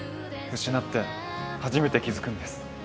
失って初めて気付くんです。